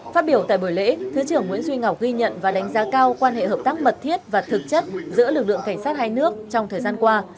phát biểu tại buổi lễ thứ trưởng nguyễn duy ngọc ghi nhận và đánh giá cao quan hệ hợp tác mật thiết và thực chất giữa lực lượng cảnh sát hai nước trong thời gian qua